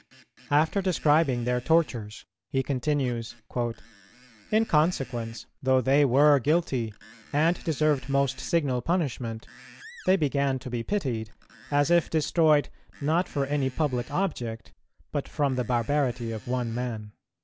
After describing their tortures, he continues "In consequence, though they were guilty, and deserved most signal punishment, they began to be pitied, as if destroyed not for any public object, but from the barbarity of one man."